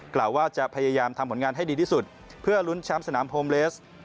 กล่าวว่าจะพยายามทำผลงานให้ดีที่สุดเพื่อลุ้นแชมป์สนามโฮมเลส